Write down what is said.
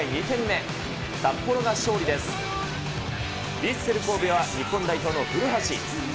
ヴィッセル神戸は日本代表の古橋。